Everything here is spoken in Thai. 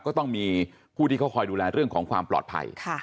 ก็ต้องมีผู้ที่เขาคอยดูแลเรื่องของความปลอดภัย